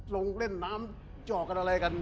ลงเล่นน้ำเจาะกันอะไรกัน